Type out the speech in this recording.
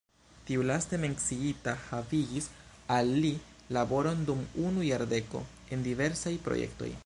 Tiu laste menciita havigis al li laboron dum unu jardeko en diversaj projektoj.